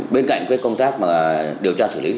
bên cạnh công tác điều tra xử lý